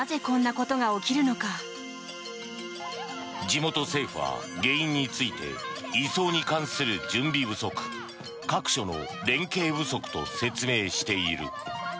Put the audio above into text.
地元政府は原因について移送に関する準備不足各所の連携不足と説明している。